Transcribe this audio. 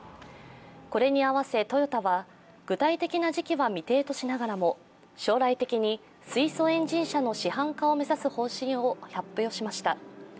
これに合わせトヨタは具体的な時期は未定としながらも将来的に水素エンジン車の市販化を目指す方針を示しました。